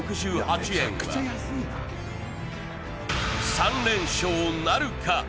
３連勝なるか？